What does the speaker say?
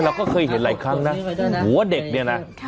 โอ้ยเราก็เคยเห็นหลายครั้งน่ะหัวเด็กเนี้ยน่ะค่ะ